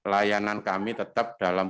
layanan kami tetap dalam